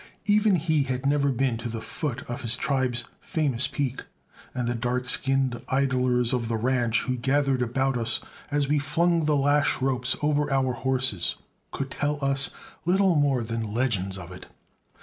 Even he had never been to the foot of his tribe's famous peak, and the dark skinned idlers of the ranch who gathered about us as we flung the lash ropes over our horses could tell us little more than legends of it.